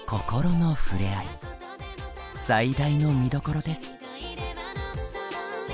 最大の見どころです。